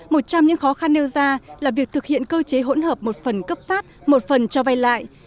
một trong những khó khăn nêu ra là việc thực hiện cơ chế hỗn hợp một phần cấp phát một phần cho vay lại